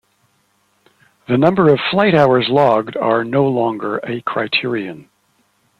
The number of flight hours logged are no longer a criterion.